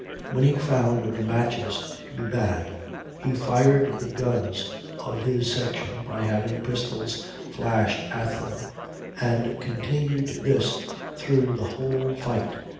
When he found the matches to be bad he fired the guns of his section by having pistols flashed at them, and continued this through the whole fight.